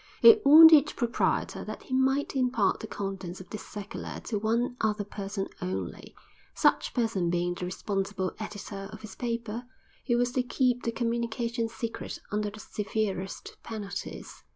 It warned each proprietor that he might impart the contents of this circular to one other person only, such person being the responsible editor of his paper, who was to keep the communication secret under the severest penalties.